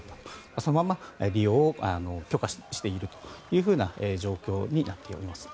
そのまま利用を許可しているという状況になっております。